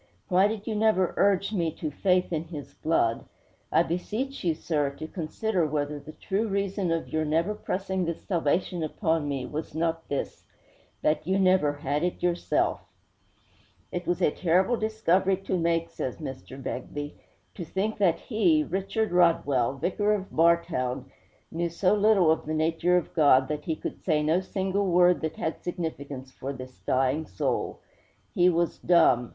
Why did you never urge me to faith in His blood? I beseech you, sir, to consider whether the true reason of your never pressing this salvation upon me was not this that you never had it yourself!' 'It was a terrible discovery to make,' says Mr. Begbie. 'To think that he Richard Rodwell, Vicar of Bartown knew so little of the nature of God that he could say no single word that had significance for this dying soul! He was dumb.